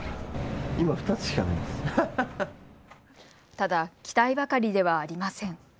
ただ期待ばかりではありません。